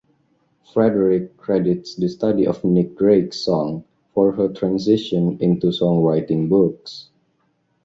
Frederick credits the study of Nick Drake’s songs for her transition into songwriting books.